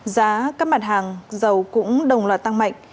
giá các mặt hàng dầu cũng đồng loạt tăng mạnh